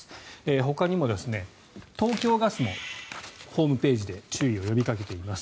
ほかにも東京ガスもホームページで注意を呼びかけています。